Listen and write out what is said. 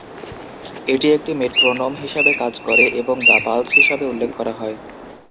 এটি একটি মেট্রোনোম হিসাবে কাজ করে এবং "দ্য পালস" হিসাবে উল্লেখ করা হয়।